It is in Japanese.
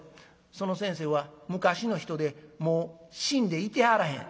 「その先生は昔の人でもう死んでいてはらへん」。